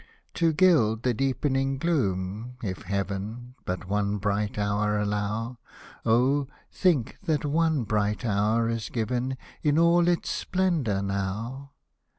To gild the deepening gloom, if Heaven But one bright hour allow, Oh, think that one bright hour is given, In all its splendour, now.